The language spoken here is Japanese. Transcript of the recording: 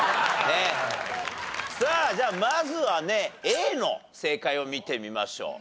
じゃあまずはねＡの正解を見てみましょう。